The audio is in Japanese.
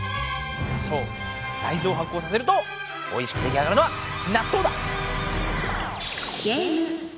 そう大ずをはっこうさせるとおいしく出来上がるのは「なっとう」だ。